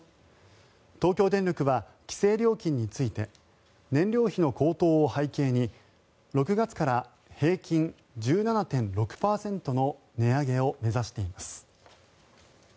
東京電力は規制料金について燃料費の高騰を背景に６月から平均１７．６％の値上げを目指しています。